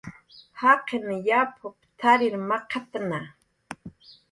"Jaqin yapup"" t""arir maq""tna"